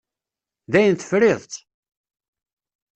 Dayen tefriḍ-tt?